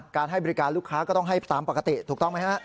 ให้บริการลูกค้าก็ต้องให้ตามปกติถูกต้องไหมฮะ